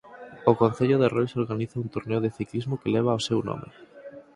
O concello de Rois organiza un torneo de ciclismo que leva o seu nome.